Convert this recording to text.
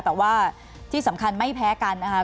แต่ว่าที่สำคัญไม่แพ้กันนะครับ